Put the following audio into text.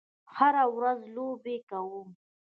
هره ورځ لوبې کوم